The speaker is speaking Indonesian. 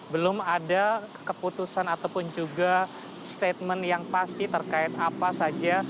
belum ada keputusan ataupun juga statement yang pasti terkait apa saja